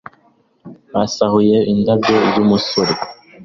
Basahuye indabyo zumusore